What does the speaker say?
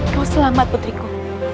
kau selamat putriku